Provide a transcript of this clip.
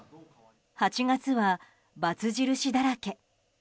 ８月は×印だらけ。